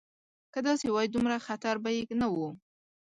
که داسې وای دومره خطر به یې نه و.